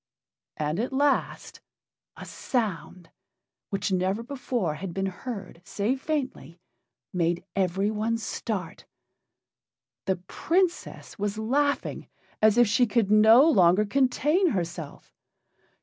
And at last a sound which never before had been heard, save faintly made everyone start. The Princess was laughing as if she could no longer contain herself.